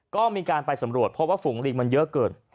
ก็มีการไปสำรวจเพราะว่าฝูงลิงมันเยอะเกิน